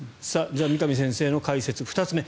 三上先生の解説、２つ目。